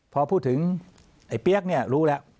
พอพูดถึงไอ้เปี๊ยกเนี่ยรู้แล้ว